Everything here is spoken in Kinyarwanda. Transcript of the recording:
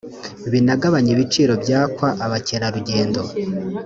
binagabanye ibiciro byakwa abakerarugendo